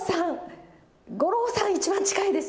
五郎さん、一番近いです。